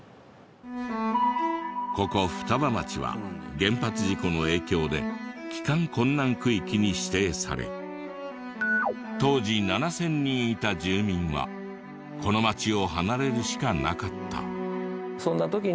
ここ双葉町は原発事故の影響で帰還困難区域に指定され当時７０００人いた住民はこの町を離れるしかなかった。